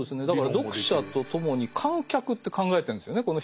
だから読者と共に観客って考えてるんですよね。